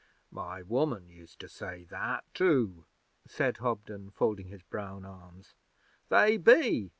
'My woman used to say that too,' said Hobden, folding his brown arms. 'They be.